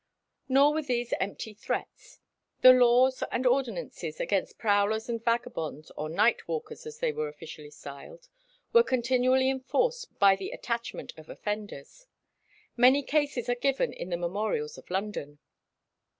Nor were these empty threats. The laws and ordinances against prowlers and vagabonds, or night walkers, as they were officially styled, were continually enforced by the attachment of offenders. Many cases are given in the memorials of London.